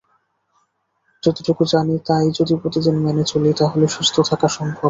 যতটুকু জানি তা-ই যদি প্রতিদিন মেনে চলি, তাহলে সুস্থ থাকা সম্ভব।